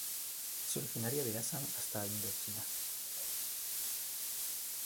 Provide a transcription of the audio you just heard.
Es originario de Assam hasta Indochina.